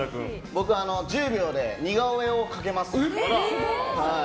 僕、１０秒で似顔絵を描けます。